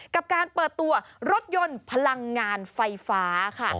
กับการเปิดตัวรถยนต์พลังงานไฟฟ้าค่ะ